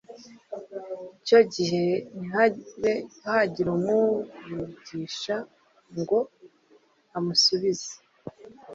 cyo gihe ntihabe hagira umuvugisha ngo amusubize ,